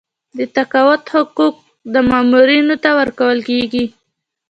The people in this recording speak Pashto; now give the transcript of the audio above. د تقاعد حقوق مامورینو ته ورکول کیږي